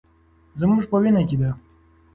زموږ په وینه کې ده.